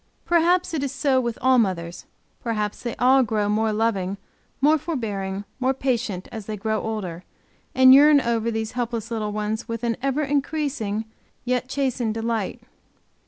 Perhaps it is so with all mothers, perhaps they all grow more loving, more forbearing, more patient as they grow older, and yearn over these helpless little ones with an ever increasing, yet chastened delight.